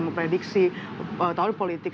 memprediksi tahun politik